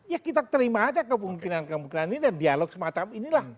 ya kita terima aja kemungkinan kemungkinan ini dan dialog semacam inilah